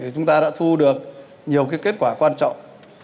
chúng ta đã thu được nhiều kết quả quan trọng